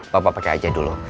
bapak pakai aja dulu